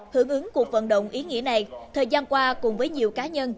hưởng ứng cuộc vận động ý nghĩa này thời gian qua cùng với nhiều cá nhân